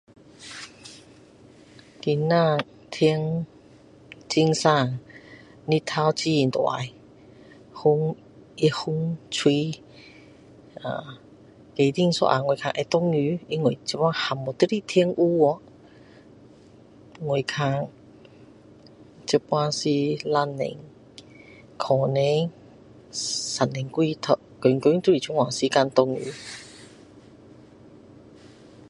今天天很晴日头很大风风吹在等一下会一下因为突然间天黑掉我看现在是两点可能三点多天天都是这样时间下雨